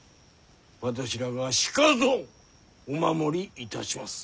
私らがしかとお守りいたします。